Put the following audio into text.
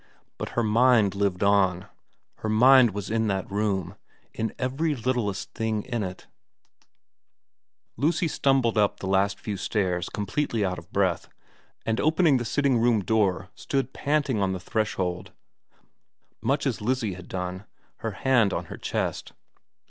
But her mind lived on her mind was in that room, in every littlest thing in it Lucy stumbled up the last few stairs completely out of breath, and opening the sitting room door stood xx VERA 219 panting on the threshold much as Lizzie had done, her hand on her chest.